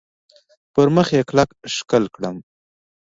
پر مخ یې کلک ښکل کړم .